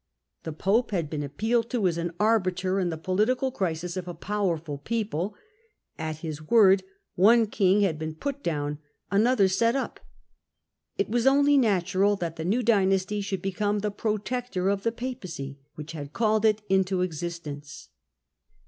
The pope had been appealed to as arbiter in the political crisis of a powerful people ; at his word one king had been put down, another set up. It was only natural that the new dynasty should become the protector of the Papacy which had called it into existence.